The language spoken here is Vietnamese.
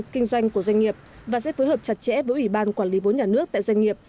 kinh doanh của doanh nghiệp và sẽ phối hợp chặt chẽ với ủy ban quản lý vốn nhà nước tại doanh nghiệp